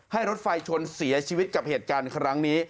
รถไฟชนเสียชีวิตกับเหตุการณ์ครั้งนี้